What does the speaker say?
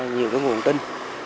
nhiều nguồn tin